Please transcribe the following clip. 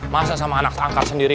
masa sama anak angkat sendiri